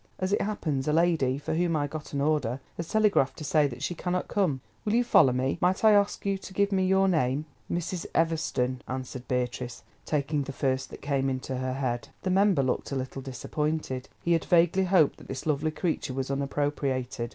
"As it happens a lady, for whom I got an order, has telegraphed to say that she cannot come. Will you follow me? Might I ask you to give me your name?" "Mrs. Everston," answered Beatrice, taking the first that came into her head. The member looked a little disappointed. He had vaguely hoped that this lovely creature was unappropriated.